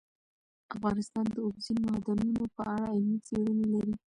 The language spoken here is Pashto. افغانستان د اوبزین معدنونه په اړه علمي څېړنې لري.